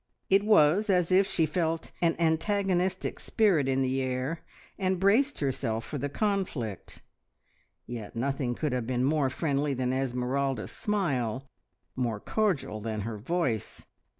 It was as if she felt an antagonistic spirit in the air, and braced herself for the conflict. Yet nothing could have been more friendly than Esmeralda's smile more cordial than her voice.